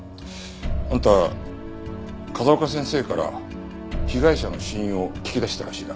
あんた風丘先生から被害者の死因を聞き出したらしいな。